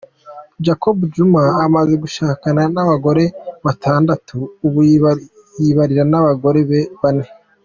Jacob Zuma amaze gushakana n’abagore batandatu, ubu yibanira n’abagore be bane